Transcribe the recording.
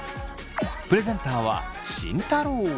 プレゼンターは慎太郎。